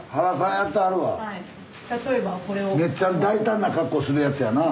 めっちゃ大胆な格好するやつやな。